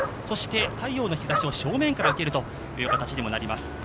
そして太陽の日ざしを正面から受けるという形にもなります。